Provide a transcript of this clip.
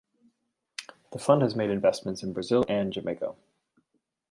The fund has made investments in Brazil and Jamaica.